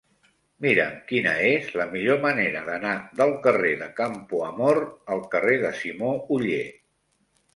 Mira'm quina és la millor manera d'anar del carrer de Campoamor al carrer de Simó Oller.